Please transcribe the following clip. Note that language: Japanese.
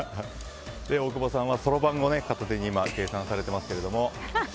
大久保さんはそろばんを片手に計算されていますけども。